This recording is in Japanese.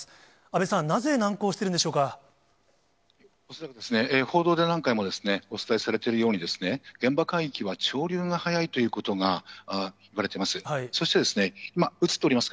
安倍さん、恐らく、報道で何回もお伝えされているようにですね、現場海域は潮流が速いということがいわれています。